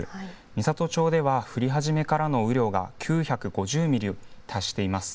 美郷町では降り始めからの雨量が９５０ミリに達しています。